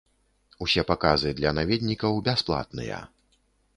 Усе паказы для наведнікаў бясплатныя.